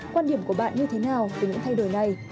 quan điểm của bạn như thế nào về những thay đổi này